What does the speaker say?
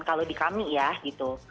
kalau di kami ya gitu